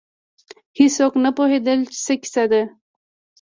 هېڅوک نه پوهېدل چې څه کیسه ده.